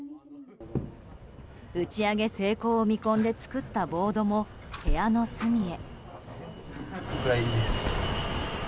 打ち上げ成功を見込んで作ったボードも部屋の隅へ。